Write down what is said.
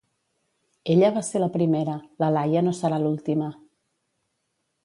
Ella va ser la primera, la Laia no serà l'última.